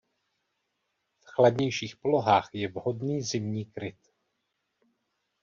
V chladnějších polohách je vhodný zimní kryt.